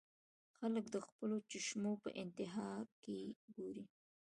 خلک د خپلو چشمو پۀ انتها کښې ګوري -